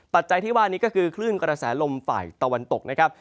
จัยที่ว่านี้ก็คือคลื่นกระแสลมฝ่ายตะวันตกนะครับ